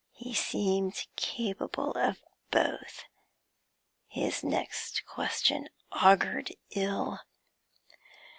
He seemed capable of both. His next question augured ill.